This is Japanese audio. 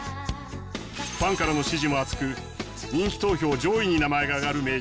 ファンからの支持も厚く人気投票上位に名前が挙がる名曲。